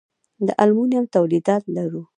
د المونیم تولیدات لرو؟